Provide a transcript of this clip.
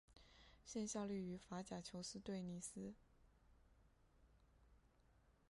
现效力于法甲球队尼斯。